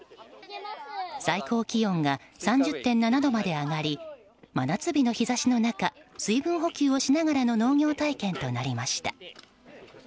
最高気温が３０．７度まで上がり真夏日の日差しの中水分補給をしながらの農業体験となりました。